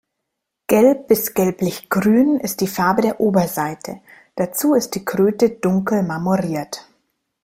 Gelb bis gelblich-grün ist die Farbe der Oberseite, dazu ist die Kröte dunkel marmoriert.